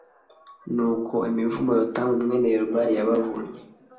nuko imivumo yotamu mwene yerubehali yabavumye